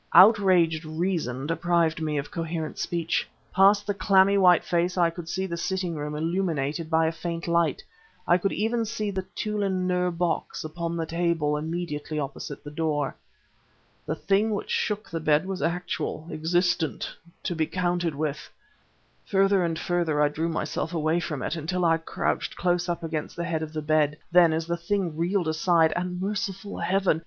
Outraged reason deprived me of coherent speech. Past the clammy white face I could see the sitting room illuminated by a faint light; I could even see the Tûlun Nûr box upon the table immediately opposite the door. The thing which shook the bed was actual, existent to be counted with! Further and further I drew myself away from it, until I crouched close up against the head of the bed. Then, as the thing reeled aside, and merciful Heaven!